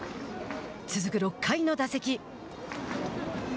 続く６回の打席。